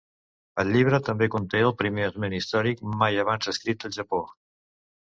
El llibre també conté el primer esment històric mai abans escrit del Japó.